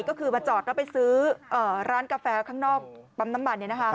ก็คือมาจอดแล้วไปซื้อร้านกาแฟข้างนอกปั๊มน้ำมัน